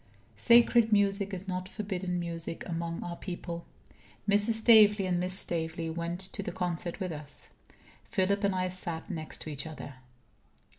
Sacred music is not forbidden music among our people. Mrs. Staveley and Miss Staveley went to the concert with us. Philip and I sat next to each other.